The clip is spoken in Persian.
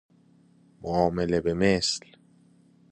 معامله به مثل